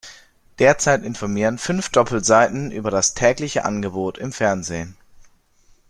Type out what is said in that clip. Derzeit informieren fünf Doppelseiten über das tägliche Angebot im Fernsehen.